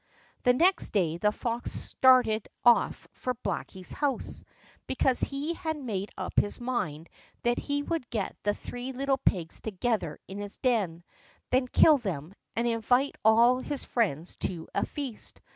The next day the fox started off for Blacky's house, because he had made up his mind that he would get the three little pigs together in his den, then kill them, and invite all his friends to a feast.